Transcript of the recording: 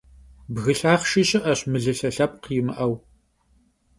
Bgı lhaxhşşi şı'eş, mılılhe lhepkh yimı'eu.